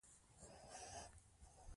لغمان یو زرغون او ښکلی ولایت ده.